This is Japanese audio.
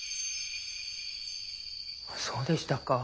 そうでしたか。